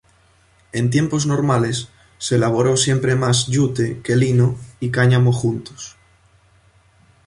En tiempos normales, se elaboró siempre más yute que lino y cáñamo juntos.